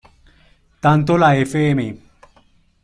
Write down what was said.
Tanto la Fm.